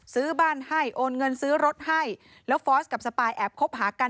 ซื้อบ้านให้โอนเงินซื้อรถให้แล้วฟอร์สกับสปายแอบคบหากัน